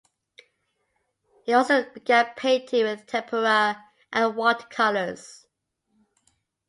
He also began painting with tempera and watercolors.